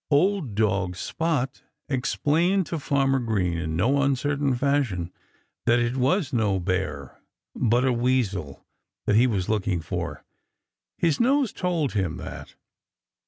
Old dog Spot explained to Farmer Green in no uncertain fashion that it was no bear but a weasel that he was looking for. His nose told him that.